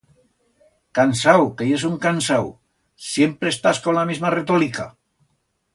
Cansau, que yes un cansau! Siempre estás con la misma retolica.